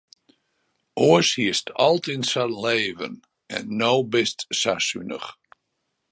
Oars hiest altyd sa'n leven en no bist sa sunich.